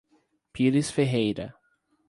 Pires Ferreira